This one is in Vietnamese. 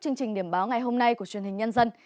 chương trình điểm báo ngày hôm nay của truyền hình nhân dân